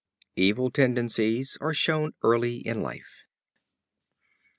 Evil tendencies are shown early in life.